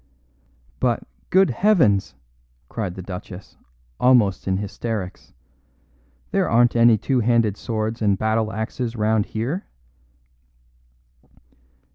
"But, good heavens!" cried the Duchess, almost in hysterics, "there aren't any two handed swords and battle axes round here."